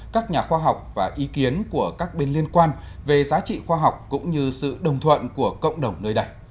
các nhà khoa học và ý kiến của các bên liên quan về giá trị khoa học cũng như sự đồng thuận của cộng đồng nơi đây